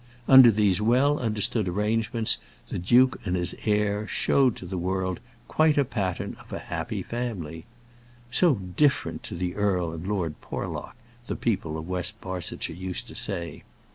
Under these well understood arrangements, the duke and his heir showed to the world quite a pattern of a happy family. "So different to the earl and Lord Porlock!" the people of West Barsetshire used to say.